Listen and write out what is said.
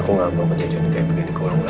aku gak mau kejadian kayak begini ke orang lagi